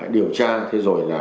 điều tra thế rồi là